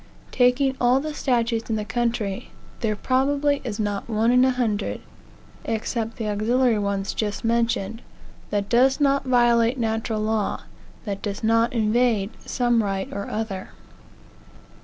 Taking all the statutes in the country, there probably is not one in a hundred, except the auxiliary ones just mentioned, that does not violate natural law; that does not invade some right or other.